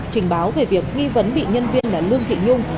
trình báo về việc nghi vấn bị nhân viên là lương thị nhung